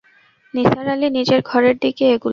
নিসার আলি নিজের ঘরের দিকে এগুলেন।